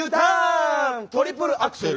トリプルアクセル！